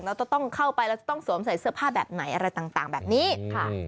เราจะต้องเข้าไปเราจะต้องสวมใส่เสื้อผ้าแบบไหนอะไรต่างแบบนี้ค่ะ